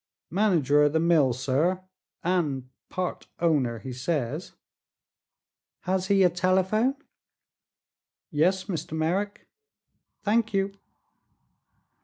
"Manager o' the mill, sir, an' part owner, he says." "Has he a telephone?" "Yes, Mr. Merrick." "Thank you."